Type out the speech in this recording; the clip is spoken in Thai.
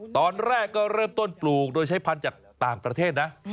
ตอนแรกก็เริ่มต้นปลูกโดยใช้พันธุ์จากต่างประเทศนะ